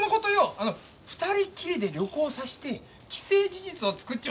あの二人っきりで旅行させて既成事実を作っちまうってのは？